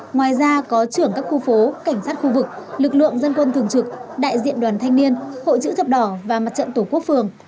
ngoài ra có trưởng các khu phố cảnh sát khu vực lực lượng dân quân thường trực đại diện đoàn thanh niên hội chữ thập đỏ và mặt trận tổ quốc phường